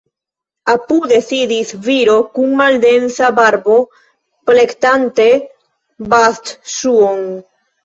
Apude sidis viro kun maldensa barbo, plektante bastŝuon.